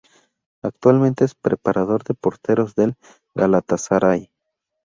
Actualmente es preparador de porteros del Galatasaray.